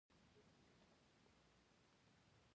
افغانستان د واورو څخه د ډکو لوړو غرونو هېواد دی.